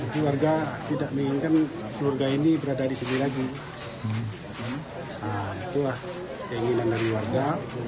keluarga tidak menginginkan keluarga ini berada di sini lagi itulah keinginan dari warga